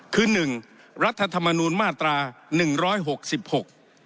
คือหนึ่งรัฐธรรมนูลมาตราหนึ่งร้อยหกสิบหก